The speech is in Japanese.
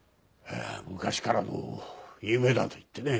昔からの夢だと言ってね。